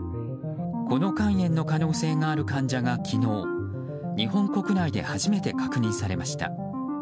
この肝炎の可能性がある患者が昨日、日本国内で初めて確認されました。